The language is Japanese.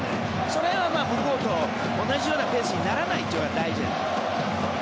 それは相手と同じようなペースにならないのが大事。